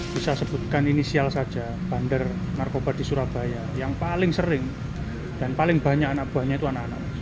bisa sebutkan inisial saja bandar narkoba di surabaya yang paling sering dan paling banyak anak buahnya itu anak anak